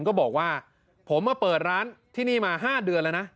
ก็บอกว่าผมมาเปิดร้านที่นี่มา๕เดือนแล้วนะ